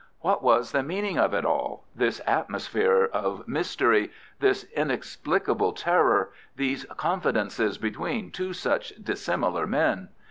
What was the meaning of it all, this atmosphere of mystery, this inexplicable terror, these confidences between two such dissimilar men?